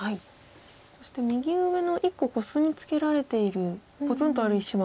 そして右上の１個コスミツケられているぽつんとある石は。